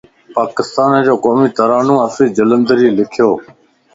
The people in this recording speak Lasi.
پاڪستانَ جو قومي ترانو حفيظ جالندھريءَ لکيووَ